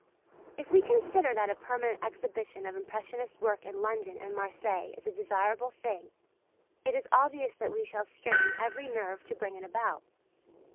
If we consider that a permanent exhibition of impressionist work in London and Marseilles is a desirable thing it is obvious that we shall strain every nerve to bring it about.